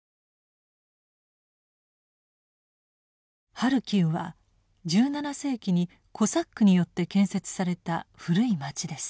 ハルキウは１７世紀にコサックによって建設された古い町です。